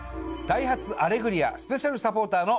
『ダイハツアレグリア』スペシャルサポーターの。